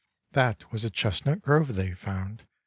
That was a chestnut grove they found!